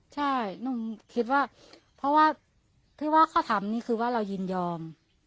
ใช่หนุ่มคิดว่าเพราะว่าที่ว่าเขาทำนี่คือว่าเรายินยอม